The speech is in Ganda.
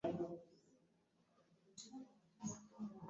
Mpozzi wagamba bakuzaala wa?